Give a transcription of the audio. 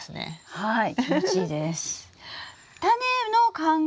はい。